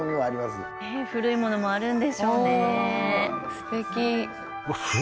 すてき